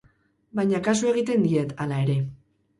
Baina kasu egiten diet, hala ere.